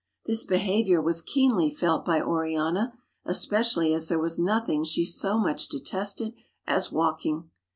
This behavior was keenly felt by Oriana, especially as there was nothing she so much detested as walking.